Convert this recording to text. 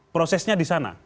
prosesnya di sana